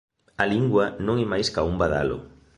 A lingua non é máis ca un badalo.